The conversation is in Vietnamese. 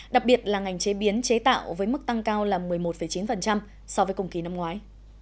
đặc biệt là ngành chế biến chế tạo với mức tăng cao là một mươi một chín so với cùng kỳ năm ngoái